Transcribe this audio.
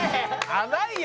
甘いよ